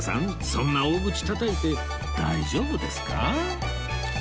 そんな大口たたいて大丈夫ですか？